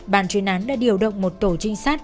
bàn chuyên án đã điều động một tổ trinh sát